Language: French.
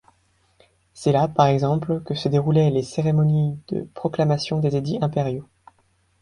C'est là, par exemple, que se déroulaient les cérémonies de proclamation des édits impériaux.